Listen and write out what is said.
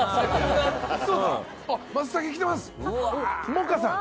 萌歌さん！